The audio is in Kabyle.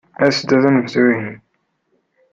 As-d ad nebdu, ihi.